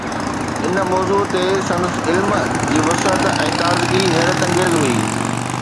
ان موضوع تي سندس علم جي وسعت ۽ تازگي حيرت انگيز هئي.